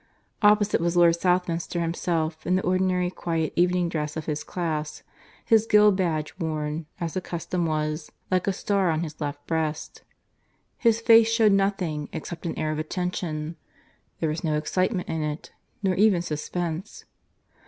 Opposite was Lord Southminster himself in the ordinary quiet evening dress of his class, his guild badge worn, as the custom was, like a star on his left breast. His face showed nothing except an air of attention; there was no excitement in it, nor even suspense.